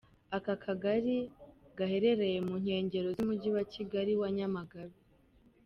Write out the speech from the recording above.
Aka kagari gaherereye mu nkengero z’umujyi wa Nyamagabe.